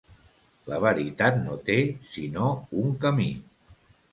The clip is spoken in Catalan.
La veritat no té sinó un camí.